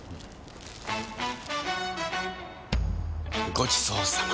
ごちそうさま！